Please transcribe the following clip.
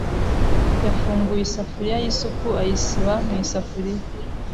yafunguye isafuriya yisupu ayisiba mu isafuriya.